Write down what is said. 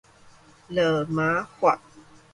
羅馬法